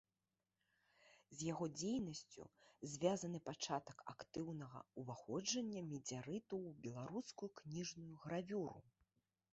З яго дзейнасцю звязаны пачатак актыўнага ўваходжання медзярыту ў беларускую кніжную гравюру.